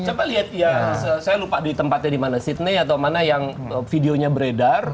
coba lihat ya saya lupa tempatnya dimana sydney atau mana yang videonya beredar